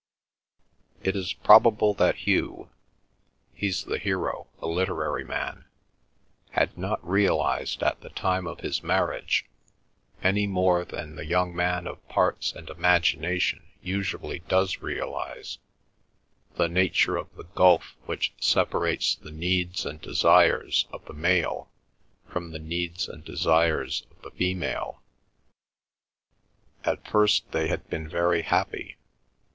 'It is probable that Hugh' (he's the hero, a literary man), 'had not realised at the time of his marriage, any more than the young man of parts and imagination usually does realise, the nature of the gulf which separates the needs and desires of the male from the needs and desires of the female. ... At first they had been very happy.